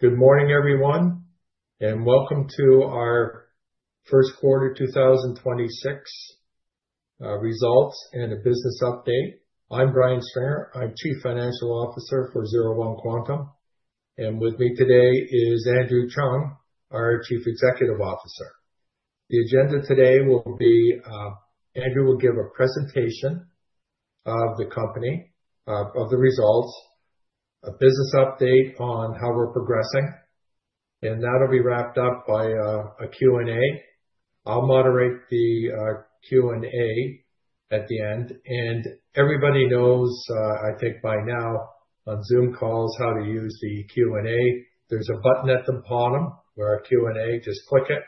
Good morning, everyone, welcome to our first quarter 2026 results and a business update. I'm Brian Stringer. I'm Chief Financial Officer for 01 Quantum. With me today is Andrew Cheung, our Chief Executive Officer. The agenda today will be, Andrew will give a presentation of the company, of the results, a business update on how we're progressing, and that'll be wrapped up by a Q&A. I'll moderate the Q&A at the end. Everybody knows, I think by now on Zoom calls how to use the Q&A. There's a button at the bottom where a Q&A, just click it.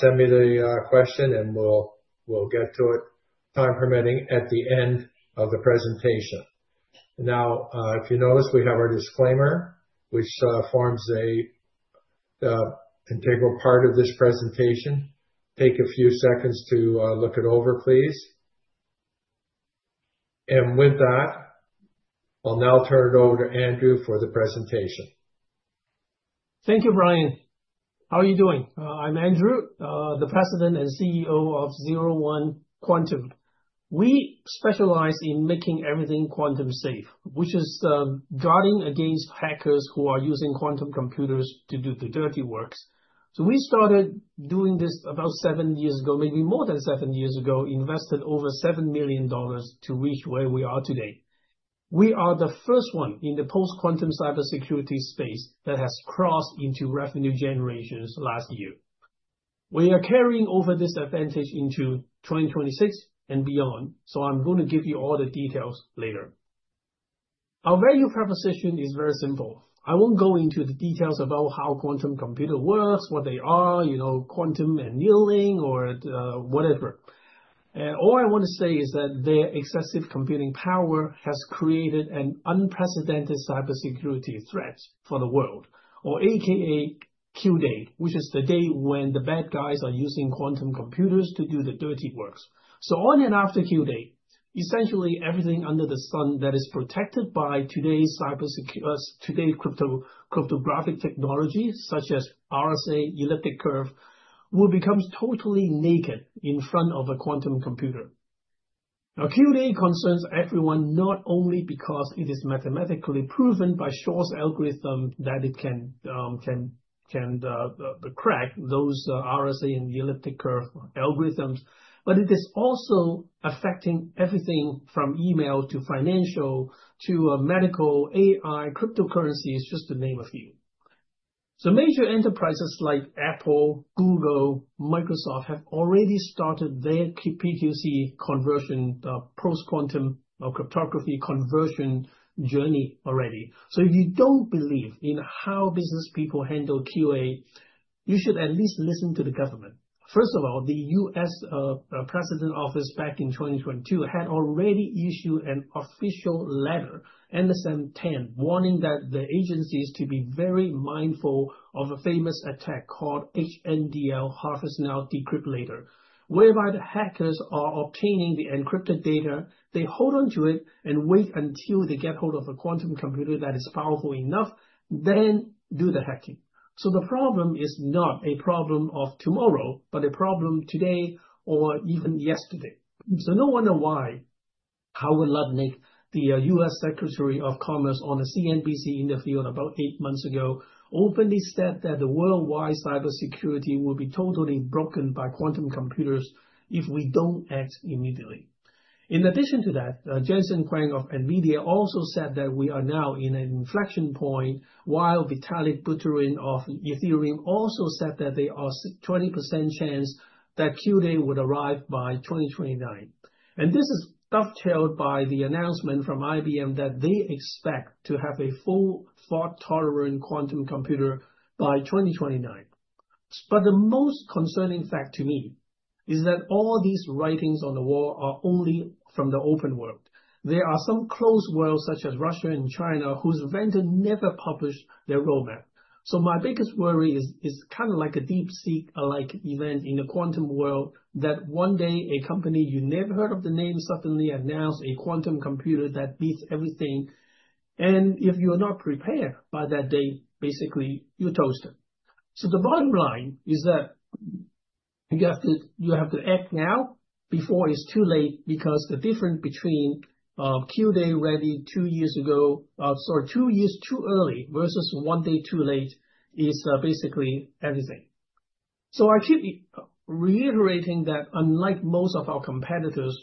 Send me the question and we'll get to it, time permitting, at the end of the presentation. Now, if you notice, we have our disclaimer, which forms a integral part of this presentation. Take a few seconds to look it over, please. With that, I'll now turn it over to Andrew for the presentation. Thank you, Brian. How are you doing? I'm Andrew, the President and CEO of 01 Quantum. We specialize in making everything quantum-safe, which is guarding against hackers who are using quantum computers to do the dirty works. We started doing this about seven years ago, maybe more than seven years ago, invested over $7 million to reach where we are today. We are the first one in the post-quantum cybersecurity space that has crossed into revenue generations last year. We are carrying over this advantage into 2026 and beyond, I'm gonna give you all the details later. Our value proposition is very simple. I won't go into the details about how quantum computer works, what they are, you know, quantum annealing or whatever. All I want to say is that their excessive computing power has created an unprecedented cybersecurity threat for the world, or AKA Q-Day, which is the day when the bad guys are using quantum computers to do the dirty works. On and after Q-Day, essentially everything under the sun that is protected by today's cryptographic technology, such as RSA elliptic curve, will becomes totally naked in front of a quantum computer. Now, Q-Day concerns everyone not only because it is mathematically proven by Shor's algorithm that it can crack those RSA and elliptic curve algorithms, but it is also affecting everything from email to financial to medical, AI, cryptocurrency, just to name a few. Major enterprises like Apple, Google, Microsoft have already started their PQC conversion, post-quantum cryptography conversion journey already. If you don't believe in how business people handle Q-Day, you should at least listen to the government. First of all, the U.S. President's office back in 2022 had already issued an official letter, NSM-10, warning that the agencies to be very mindful of a famous attack called HNDL, Harvest Now Decrypt Later, whereby the hackers are obtaining the encrypted data, they hold onto it and wait until they get hold of a quantum computer that is powerful enough, then do the hacking. The problem is not a problem of tomorrow, but a problem today or even yesterday. No wonder why Howard Lutnick, the U.S. Secretary of Commerce on a CNBC interview about eight months ago, openly said that the worldwide cybersecurity will be totally broken by quantum computers if we don't act immediately. In addition to that, Jensen Huang of NVIDIA also said that we are now in an inflection point, while Vitalik Buterin of Ethereum also said that there are 20% chance that Q-Day would arrive by 2029. This is dovetailed by the announcement from IBM that they expect to have a full fault-tolerant quantum computer by 2029. The most concerning fact to me is that all these writings on the wall are only from the open world. There are some closed worlds, such as Russia and China, whose vendor never published their roadmap. My biggest worry is kind of like a deep sea-like event in the quantum world, that one day a company you never heard of the name suddenly announced a quantum computer that beats everything. If you're not prepared by that day, basically you're toasted. The bottom line is that you have to act now before it's too late, because the difference between Q-Day ready two years ago, sorry, two years too early versus one day too late is basically everything. I keep reiterating that unlike most of our competitors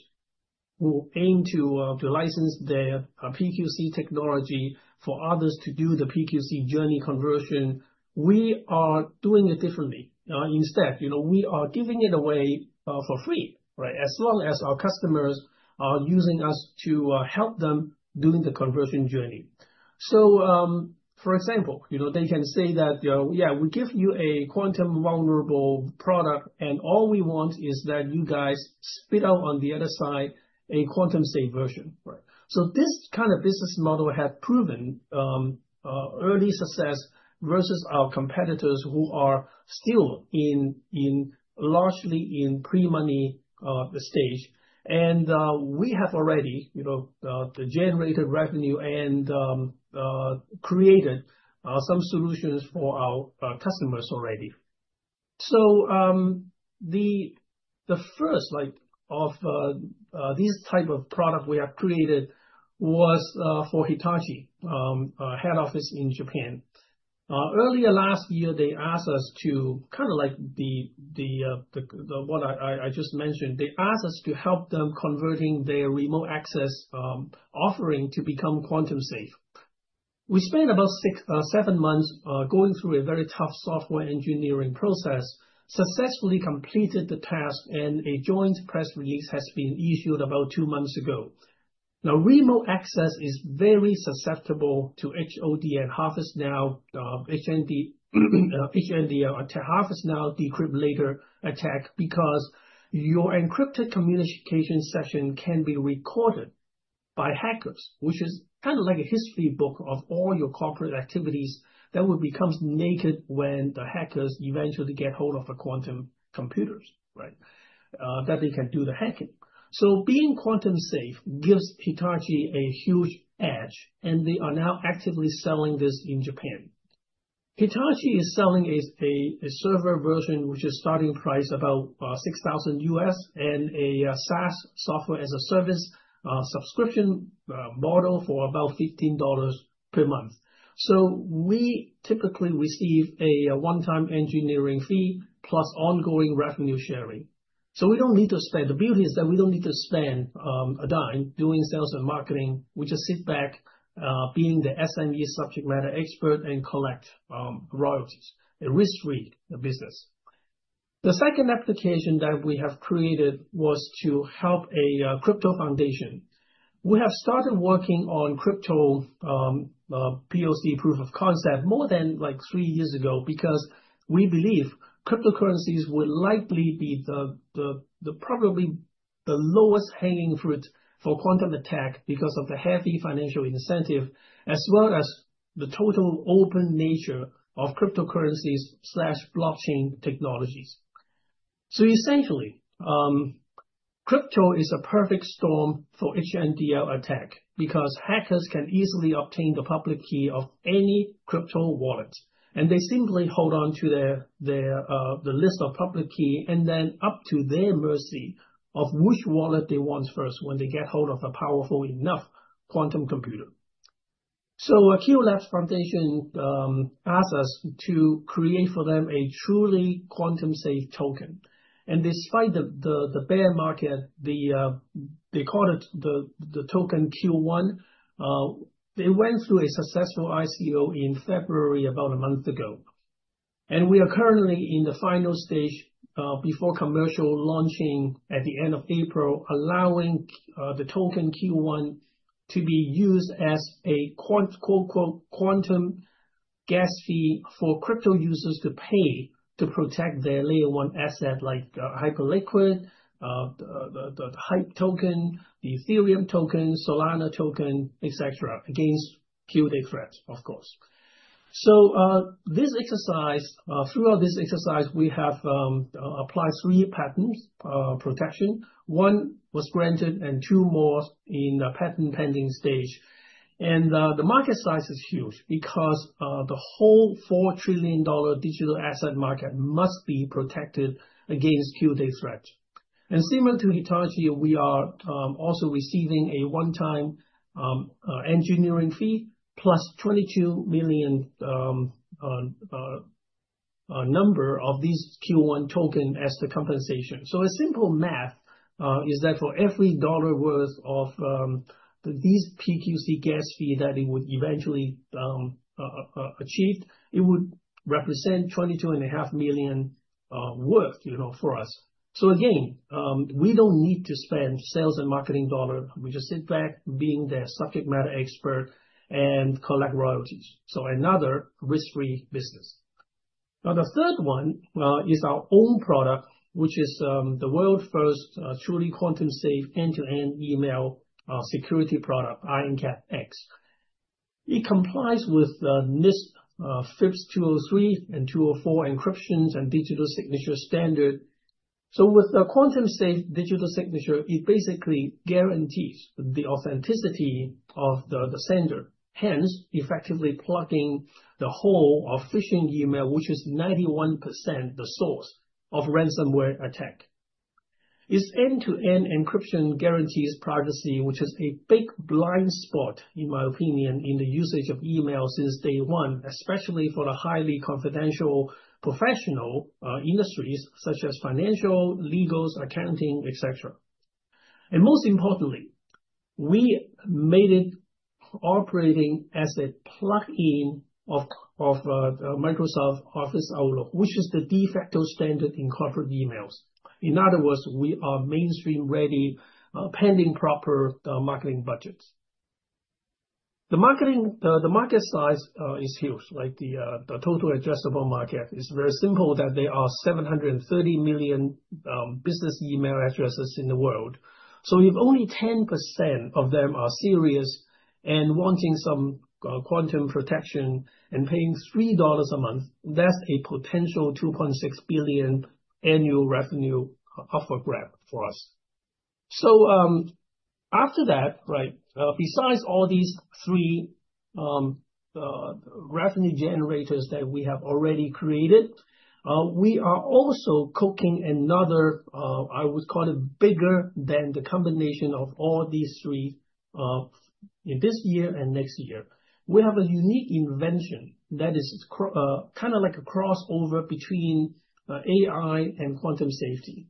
who aim to license their PQC technology for others to do the PQC journey conversion, we are doing it differently. Instead, you know, we are giving it away for free, right. As long as our customers are using us to help them during the conversion journey. For example, you know, they can say that, yeah, we give you a quantum vulnerable product, and all we want is that you guys spit out on the other side a quantum-safe version, right. This kind of business model had proven early success versus our competitors who are still in largely in pre-money stage. We have already, you know, generated revenue and created some solutions for our customers already. The first, like, of these type of product we have created was for Hitachi head office in Japan. Earlier last year, they asked us to kind of like what I just mentioned, they asked us to help them converting their remote access offering to become quantum-safe. We spent about six, seven months going through a very tough software engineering process, successfully completed the task, and a joint press release has been issued about two months ago. Now, remote access is very susceptible to HNDL or to Harvest Now, Decrypt Later attack because your encrypted communication session can be recorded by hackers, which is kind of like a history book of all your corporate activities that will becomes naked when the hackers eventually get hold of the quantum computers, right? That they can do the hacking. Being quantum-safe gives Hitachi a huge edge, and they are now actively selling this in Japan. Hitachi is selling a server version, which is starting price about $6,000 and a SaaS Software as a Service subscription model for about $15 per month. We typically receive a one-time engineering fee plus ongoing revenue sharing. We don't need to spend. The beauty is that we don't need to spend a dime doing sales and marketing. We just sit back, being the SME, subject matter expert, and collect royalties. A risk-free business. The second application that we have created was to help a crypto foundation. We have started working on crypto POC, proof of concept more than, like, three years ago because we believe cryptocurrencies will likely be the, the probably the lowest hanging fruit for quantum attack because of the heavy financial incentive, as well as the total open nature of cryptocurrencies/blockchain technologies. Essentially, crypto is a perfect storm for HNDL attack because hackers can easily obtain the public key of any crypto wallet, and they simply hold on to the list of public key and then up to their mercy of which wallet they want first when they get hold of a powerful enough quantum computer. A qLABS Foundation asked us to create for them a truly quantum-safe token. Despite the bear market, they call it the $qONE token. They went through a successful ICO in February about a month ago. We are currently in the final stage before commercial launching at the end of April, allowing the token $qONE to be used as a quote, unquote, "quantum gas fee" for crypto users to pay to protect their Layer 1 asset like Hyperliquid, the HYPE token, the Ethereum token, Solana token, et cetera, against Q-Day threats, of course. This exercise, throughout this exercise, we have applied three patents protection. One was granted and two more in a patent pending stage. The market size is huge because the whole $4 trillion digital asset market must be protected against Q-Day threat. Similar to Hitachi, we are also receiving a one-time engineering fee plus 22 million number of these $qONE token as the compensation. A simple math is that for every dollar worth of these PQC gas fee that it would eventually achieve, it would represent $22.5 million worth, you know, for us. Again, we don't need to spend sales and marketing dollar. We just sit back being their subject matter expert and collect royalties. Another risk-free business. Now, the third one is our own product, which is the world first truly quantum-safe end-to-end email security product, IronCAP X. It complies with the NIST FIPS 203 and 204 encryptions and digital signature standard. With the quantum-safe digital signature, it basically guarantees the authenticity of the sender, hence effectively plugging the hole of phishing email, which is 91% the source of ransomware attack. Its end-to-end encryption guarantees privacy, which is a big blind spot, in my opinion, in the usage of email since day one, especially for the highly confidential professional industries such as financial, legal, accounting, etc. Most importantly, we made it operating as a plugin of Microsoft Office Outlook, which is the de facto standard in corporate emails. In other words, we are mainstream ready, pending proper marketing budgets. The marketing, the market size is huge, like the total addressable market is very simple, that there are 730 million business email addresses in the world. If only 10% of them are serious and wanting some quantum protection and paying $3 a month, that's a potential $2.6 billion annual revenue up for grab for us. After that, right, besides all these three revenue generators that we have already created, we are also cooking another I would call it bigger than the combination of all these three in this year and next year. We have a unique invention that is kinda like a crossover between AI and quantum safety.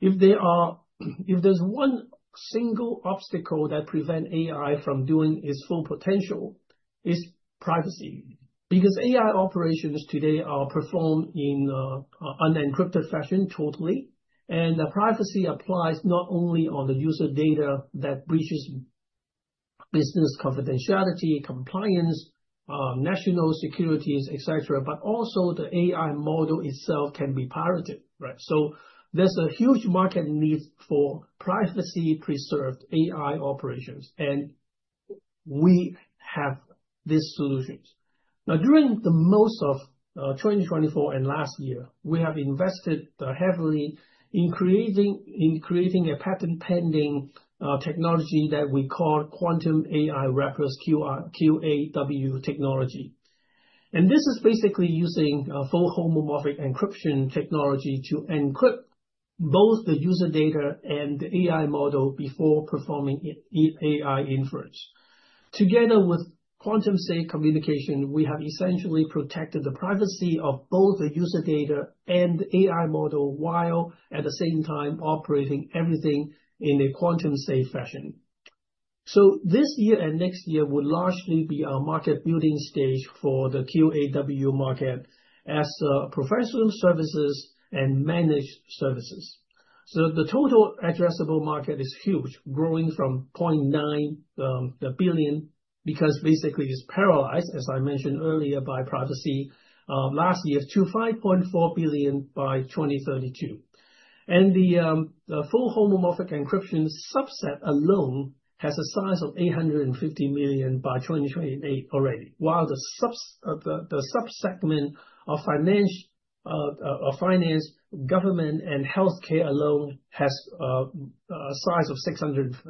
If there's one single obstacle that prevent AI from doing its full potential, it's privacy. AI operations today are performed in an unencrypted fashion totally, and the privacy applies not only on the user data that breaches business confidentiality, compliance, national securities, et cetera, but also the AI model itself can be pirated, right? There's a huge market need for privacy preserved AI operations, and we have these solutions. During the most of 2024 and last year, we have invested heavily in creating a patent-pending technology that we call Quantum AI Wrappers, QAW technology. This is basically using fully homomorphic encryption technology to encrypt both the user data and the AI model before performing AI inference. Together with quantum-safe communication, we have essentially protected the privacy of both the user data and the AI model, while at the same time operating everything in a quantum-safe fashion. This year and next year will largely be our market building stage for the QAW market as professional services and managed services. The total addressable market is huge, growing from $0.9 billion, because basically it's paralyzed, as I mentioned earlier, by privacy, last year to $5.4 billion by 2032. The fully homomorphic encryption subset alone has a size of $850 million by 2028 already. While the sub-segment of finance, government, and healthcare alone has a size of $650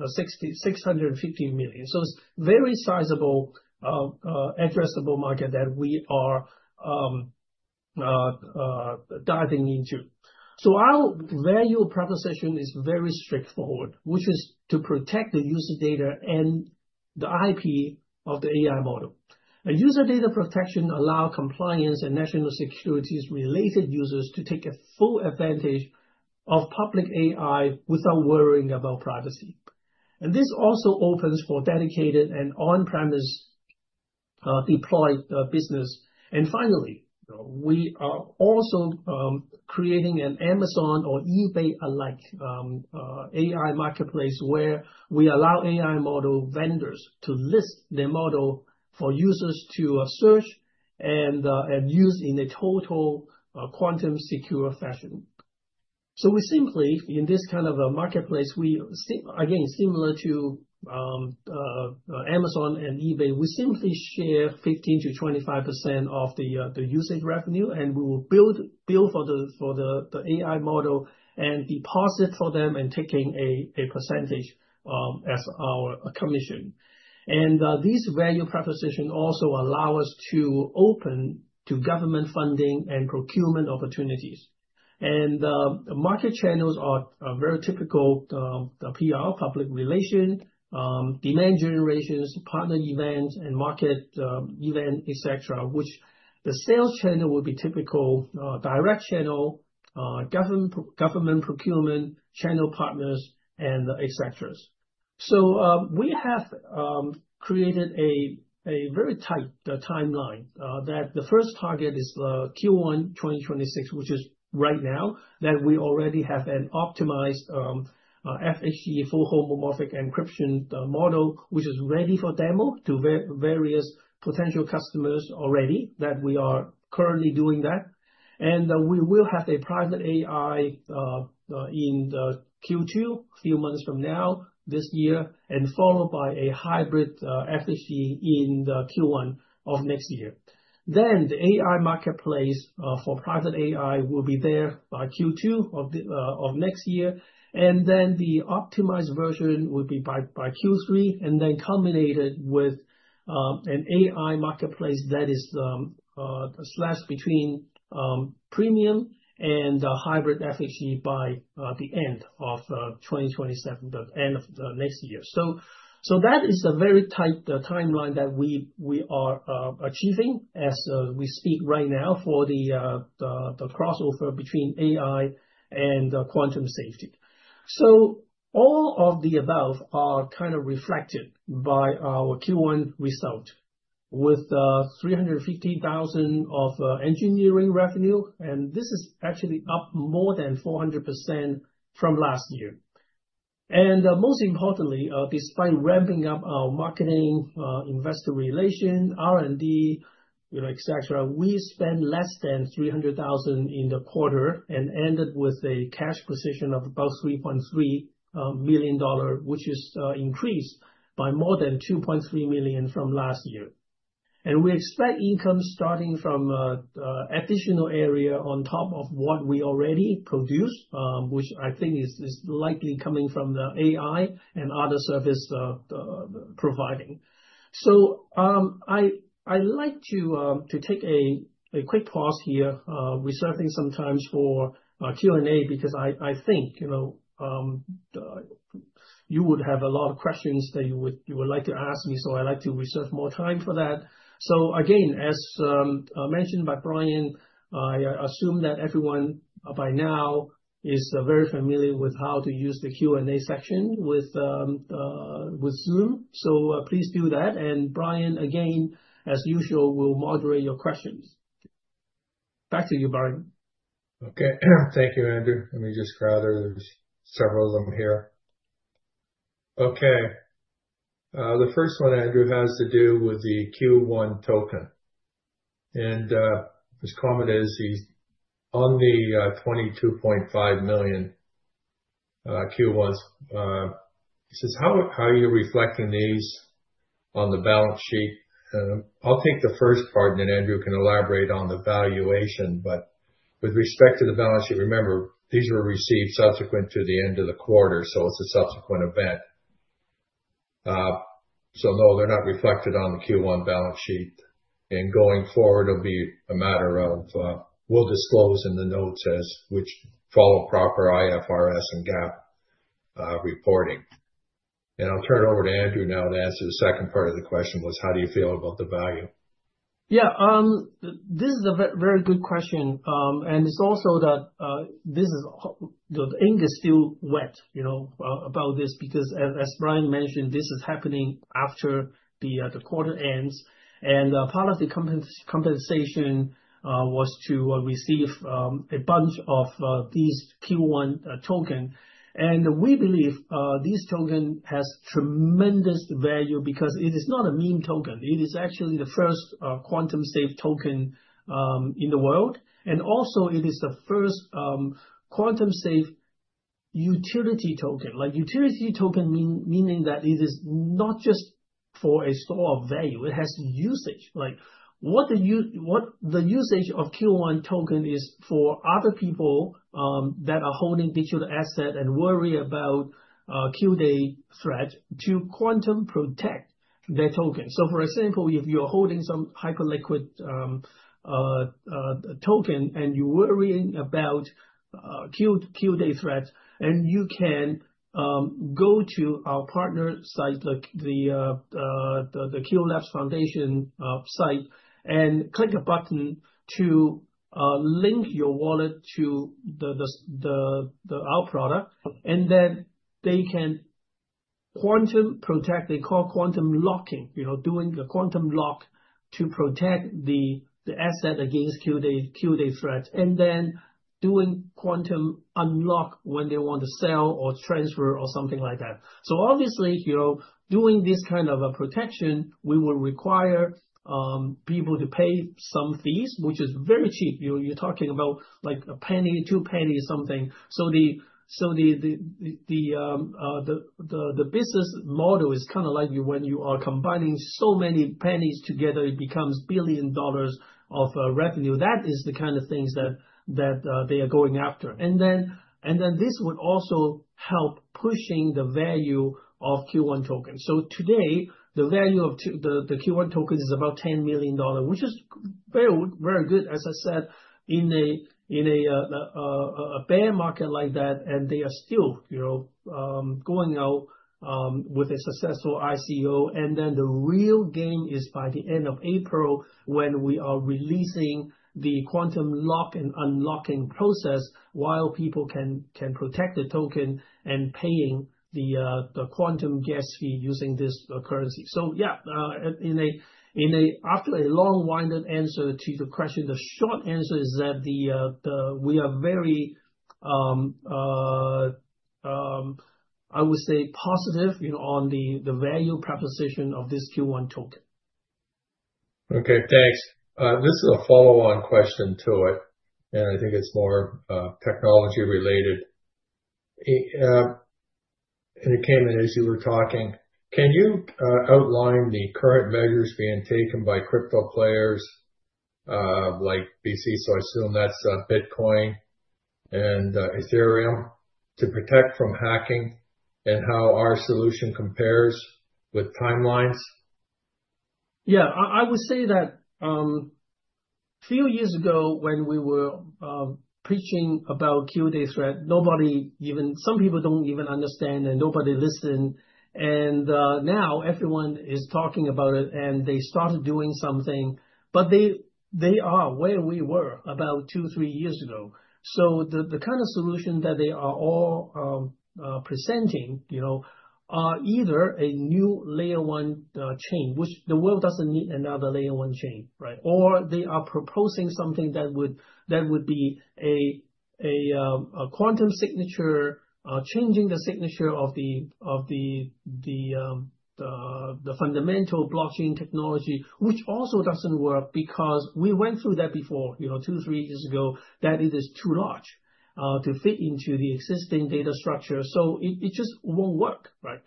million. It's very sizable addressable market that we are diving into. Our value proposition is very straightforward, which is to protect the user data and the IP of the AI model. A user data protection allow compliance and national securities related users to take a full advantage of public AI without worrying about privacy. This also opens for dedicated and on-premise deployed business. Finally, we are also creating an Amazon or eBay-alike AI marketplace where we allow AI model vendors to list their model for users to search and use in a total quantum secure fashion. We simply, in this kind of a marketplace, we again, similar to Amazon and eBay, we simply share 15%-25% of the usage revenue and we will build, bill for the AI model and deposit for them and taking a percentage as our commission. This value proposition also allow us to open to government funding and procurement opportunities. The market channels are very typical PR, public relations, demand generation, partner events, and market event, et cetera, which the sales channel will be typical direct channel, government procurement, channel partners and et ceteras. We have created a very tight timeline that the first target is Q1 2026, which is right now, that we already have an optimized FHE, Fully Homomorphic Encryption, model, which is ready for demo to various potential customers already, that we are currently doing that. We will have a private AI in the Q2, few months from now, this year, and followed by a hybrid FHE in the Q1 of next year. The AI marketplace for private AI will be there by Q2 of next year. The optimized version will be by Q3, and then culminated with an AI marketplace that is slashed between premium and a hybrid FHE by the end of 2027, the end of the next year. That is a very tight timeline that we are achieving as we speak right now for the crossover between AI and quantum safety. All of the above are kind of reflected by our Q1 result, with $350,000 of engineering revenue, and this is actually up more than 400% from last year. Most importantly, despite ramping up our marketing, investor relations, R&D, you know, et cetera, we spend less than $300,000 in the quarter and ended with a cash position of about $3.3 million, which is increased by more than $2.3 million from last year. We expect income starting from additional area on top of what we already produce, which I think is likely coming from the AI and other service providing. I like to take a quick pause here, reserving some times for Q&A because I think, you know, you would have a lot of questions that you would like to ask me, so I like to reserve more time for that. Again, as mentioned by Brian, I assume that everyone by now is very familiar with how to use the Q&A section with Zoom. Please do that. Brian, again, as usual, will moderate your questions. Back to you, Brian. Okay. Thank you, Andrew. Let me just gather. There's several of them here. Okay. The first one, Andrew, has to do with the $qONE token. His comment is he's on the 22.5 million $qONE tokens. He says, "How are you reflecting these on the balance sheet?" I'll take the first part, and then Andrew can elaborate on the valuation. With respect to the balance sheet, remember, these were received subsequent to the end of the quarter, so it's a subsequent event. No, they're not reflected on the Q1 balance sheet. Going forward, it'll be a matter of, we'll disclose in the notes as which follow proper IFRS and GAAP reporting. I'll turn it over to Andrew now to answer the second part of the question was, how do you feel about the value? Yeah. This is a very good question. It's also that, this is, the ink is still wet, you know, about this because as Brian mentioned, this is happening after the quarter-end. Part of the compensation was to receive a bunch of these $qONE token. We believe this token has tremendous value because it is not a meme token. It is actually the first quantum-safe token in the world. Also it is the first quantum-safe utility token. Like, utility token meaning that it is not just for a store of value, it has usage. Like, what the usage of $qONE token is for other people that are holding digital asset and worry about Q-Day threat to quantum protect their token. For example, if you're holding some Hyperliquid token and you're worrying about Q-Day threats, you can go to our partner site, like the qLabs Foundation site and click a button to link your wallet to our product. Then they can quantum protect, they call quantum locking, you know, doing a quantum lock to protect the asset against Q-Day threat, and then doing quantum unlock when they want to sell or transfer or something like that. Obviously, you know, doing this kind of a protection, we will require people to pay some fees, which is very cheap. You're talking about like $0.01, $0.02 something. The business model is kind of like when you are combining so many pennies together, it becomes billion dollars of revenue. That is the kind of things that they are going after. This would also help pushing the value of $qONE token. Today, the value of the $qONE tokens is about $10 million, which is very, very good, as I said, in a bear market like that, and they are still, you know, going out with a successful ICO. The real gain is by the end of April, when we are releasing the quantum lock and unlocking process while people can protect the token and paying the quantum gas fee using this currency. Yeah, after a long-winded answer to the question, the short answer is that we are very, I would say positive, you know, on the value proposition of this $qONE token. Okay, thanks. This is a follow-on question to it, and I think it's more technology-related. It, and it came in as you were talking. Can you outline the current measures being taken by crypto players, like BTC, so I assume that's Bitcoin and Ethereum, to protect from hacking and how our solution compares with timelines? Yeah. I would say that, few years ago, when we were preaching about Q-Day threat, some people don't even understand and nobody listen. Now everyone is talking about it, and they started doing something, but they are where we were about two, three years ago. The kind of solution that they are all presenting, you know, are either a new Layer 1 chain, which the world doesn't need another Layer 1 chain, right? Or they are proposing something that would be a quantum signature, changing the signature of the fundamental blockchain technology, which also doesn't work because we went through that before, you know, two, three years ago, that it is too large to fit into the existing data structure. It just won't work, right?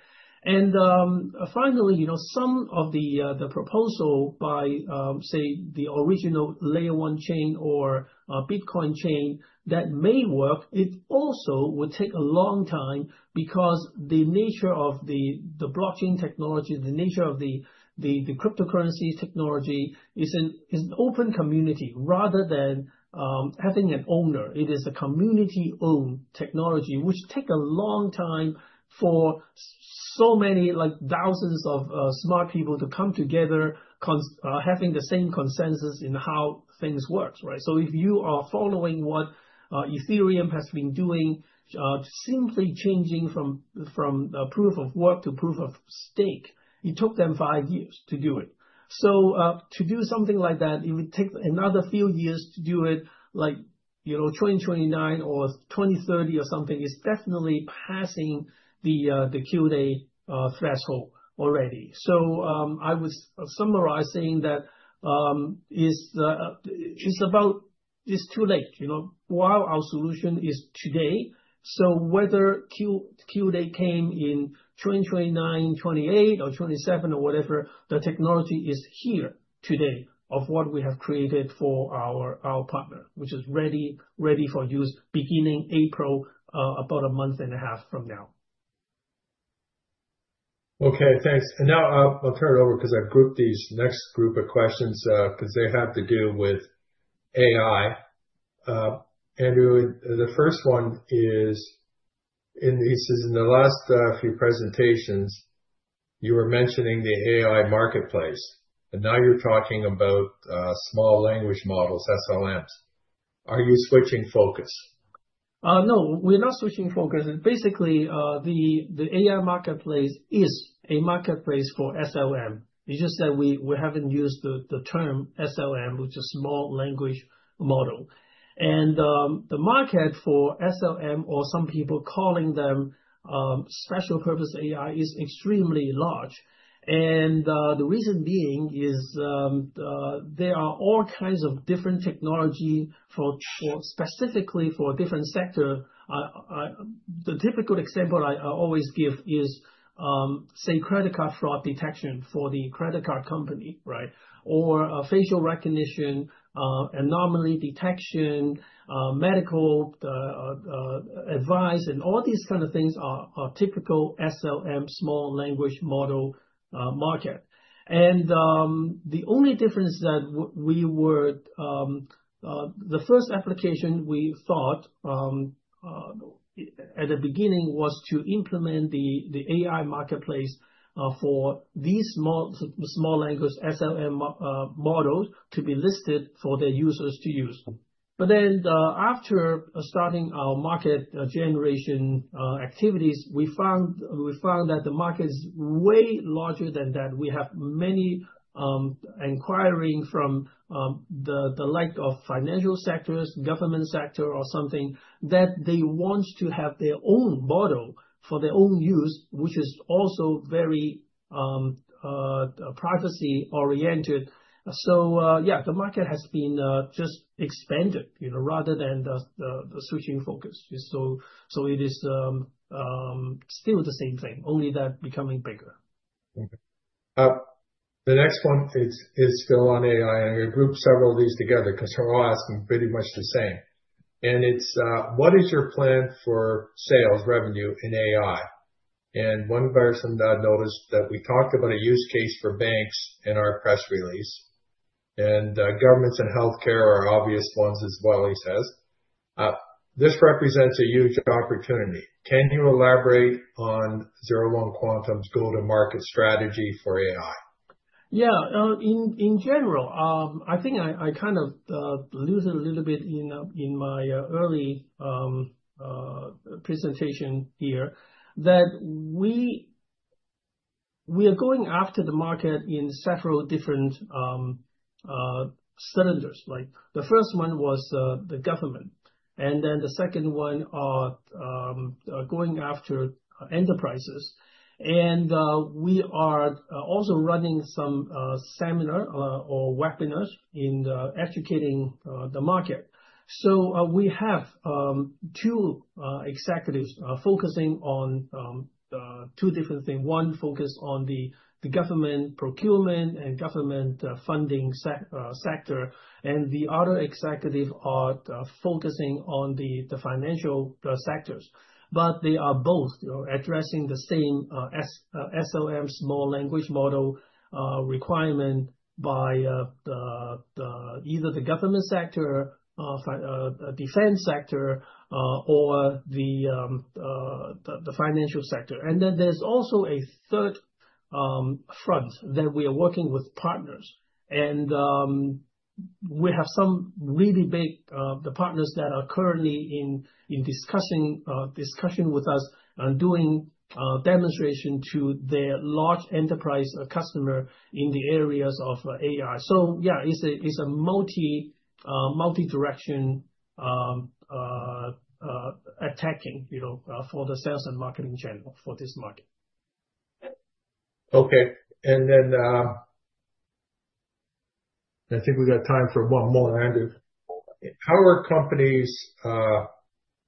Finally, you know, some of the proposal by, say, the original Layer 1 chain or Bitcoin chain that may work, it also would take a long time because the nature of the blockchain technology, the nature of the cryptocurrency technology is an open community rather than having an owner. It is a community-owned technology, which take a long time for so many, like, thousands of smart people to come together having the same consensus in how things work, right? If you are following what Ethereum has been doing, simply changing from proof of work to proof of stake, it took them five years to do it. To do something like that, it would take another few years to do it, like, you know, 2029 or 2030 or something. It's definitely passing the Q-Day threshold already. I would summarize saying that it's too late, you know, while our solution is today. Whether Q-Day came in 2029, 2028 or 2027 or whatever, the technology is here today of what we have created for our partner, which is ready for use beginning April, about a month and a half from now. Okay, thanks. Now I'll turn it over because I've grouped these next group of questions, because they have to do with AI. Andrew, the first one is, this is in the last few presentations, you were mentioning the AI marketplace, now you're talking about small language models, SLMs. Are you switching focus? No, we're not switching focus. Basically, the AI marketplace is a marketplace for SLM. It's just that we haven't used the term SLM, which is small language model. The market for SLM, or some people calling them special purpose AI, is extremely large. The reason being is there are all kinds of different technology for specifically for different sector. The typical example I always give is, say credit card fraud detection for the credit card company, right? Or facial recognition, anomaly detection, medical advice, and all these kind of things are typical SLM, small language model market. The only difference that we were the first application we thought at the beginning was to implement the AI marketplace for these small language SLM models to be listed for their users to use. After starting our market generation activities, we found that the market is way larger than that. We have many inquiring from the like of financial sectors, government sector or something, that they want to have their own model for their own use, which is also very privacy oriented. Yeah, the market has been just expanded, you know, rather than the switching focus. It is still the same thing, only that becoming bigger. Okay. The next one is still on AI. I grouped several of these together because they're all asking pretty much the same. It's, what is your plan for sales revenue in AI? One person noticed that we talked about a use case for banks in our press release, governments and healthcare are obvious ones as well, he says. This represents a huge opportunity. Can you elaborate on 01 Quantum's go-to-market strategy for AI? Yeah. In general, I think I kind of lose a little bit in my early presentation here, that we are going after the market in several different cylinders. Like the first one was the government, and then the second one are going after enterprises. We are also running some seminar or webinars in educating the market. We have two executives focusing on two different things. One focus on the government procurement and government funding sector, and the other executive are focusing on the financial sectors. They are both, you know, addressing the same SLM, Small Language Model, requirement by either the government sector, defense sector, or the financial sector. There's also a third front that we are working with partners. We have some really big partners that are currently in discussion with us and doing demonstration to their large enterprise customer in the areas of AI. Yeah, it's a multi-direction, attacking, you know, for the sales and marketing channel for this market. Okay. I think we got time for one more, Andrew. How are companies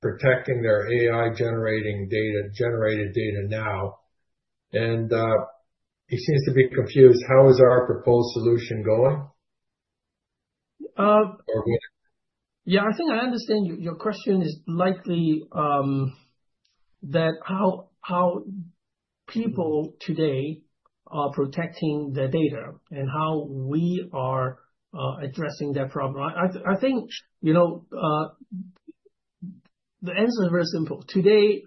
protecting their AI generating data, generated data now? He seems to be confused, how is our proposed solution going? Uh. Okay. Yeah, I think I understand your question is likely, that how people today are protecting their data and how we are addressing that problem. I think, you know, the answer is very simple. Today,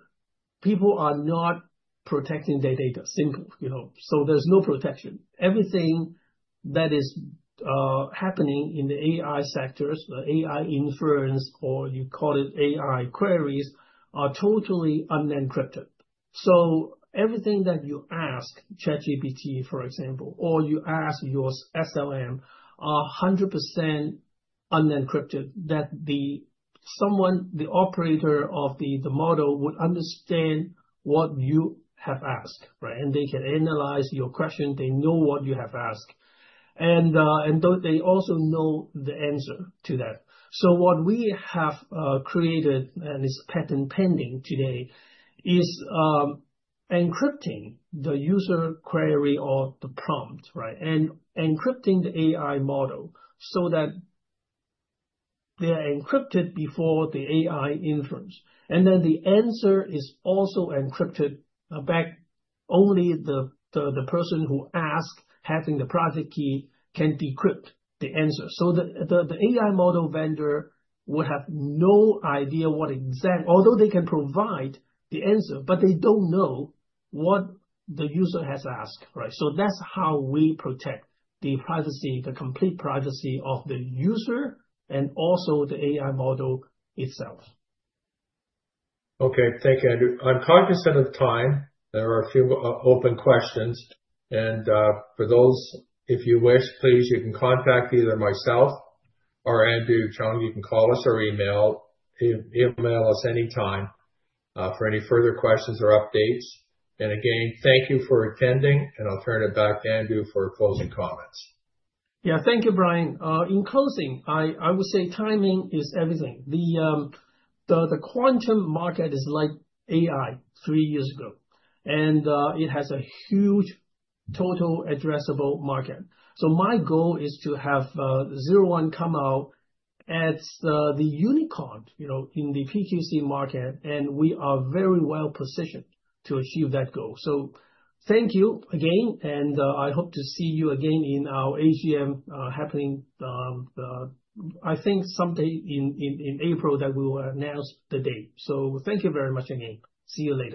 people are not protecting their data. Simple, you know. There's no protection. Everything that is happening in the AI sectors, the AI inference, or you call it AI queries, are totally unencrypted. Everything that you ask ChatGPT, for example, or you ask your SLM, are 100% unencrypted, that the operator of the model would understand what you have asked, right? They can analyze your question. They know what you have asked. They also know the answer to that. What we have created, and is patent pending today, is encrypting the user query or the prompt, right? Encrypting the AI model so that they're encrypted before the AI inference. The answer is also encrypted back. Only the person who asked, having the private key, can decrypt the answer. The AI model vendor would have no idea although they can provide the answer, but they don't know what the user has asked, right? That's how we protect the privacy, the complete privacy of the user and also the AI model itself. Okay. Thank you, Andrew. I'm conscious of the time. There are a few open questions. For those, if you wish, please, you can contact either myself or Andrew Cheung. You can call us or email us any time for any further questions or updates. Again, thank you for attending, and I'll turn it back to Andrew for closing comments. Yeah. Thank you, Brian. In closing, I would say timing is everything. The quantum market is like AI three years ago, and it has a huge total addressable market. My goal is to have 01 come out as the unicorn, you know, in the PQC market, and we are very well positioned to achieve that goal. Thank you again, and I hope to see you again in our AGM, happening, I think someday in April that we will announce the date. Thank you very much again. See you later.